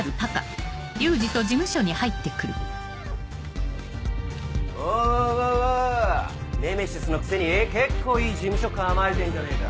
おうおうおうネメシスのくせに結構いい事務所構えてんじゃねえか。